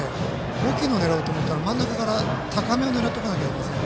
大きいのを狙おうと思ったら真ん中から高めを狙わないといけません。